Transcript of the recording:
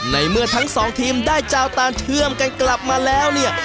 ในเมื่อทั้งสองทีมได้เจ้าตานเชื่อมกันกลับมาแล้วเนี่ย